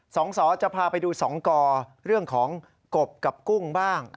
สอจะพาไปดูสองกอเรื่องของกบกับกุ้งบ้าง